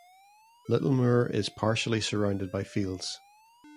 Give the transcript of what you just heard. Littlemoor is partially surrounded by fields.